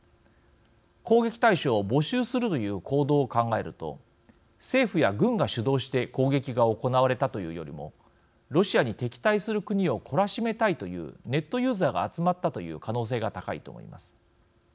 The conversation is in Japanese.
攻撃対象を募集するという行動を考えると政府や軍が主導して攻撃が行われたというよりもロシアに敵対する国を懲らしめたいというネットユーザーが集まったという可能性が高いと思います。